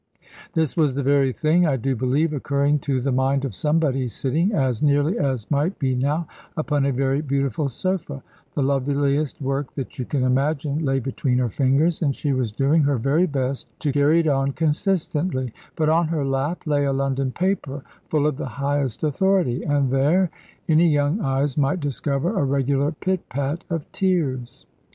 This was the very thing I do believe occurring to the mind of somebody sitting, as nearly as might be now, upon a very beautiful sofa. The loveliest work that you can imagine lay between her fingers; and she was doing her very best to carry it on consistently. But on her lap lay a London paper, full of the highest authority; and there any young eyes might discover a regular pit pat of tears.